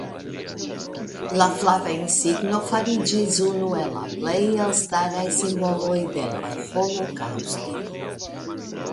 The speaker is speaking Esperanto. La flava insigno fariĝis unu el la plej elstaraj simboloj de la holokaŭsto.